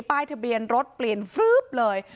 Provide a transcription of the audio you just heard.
ป้ายทะเบียนรถเปลี่ยนฟลึ๊บเลย